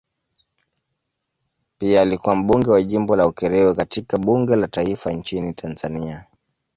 Pia alikuwa mbunge wa jimbo la Ukerewe katika bunge la taifa nchini Tanzania.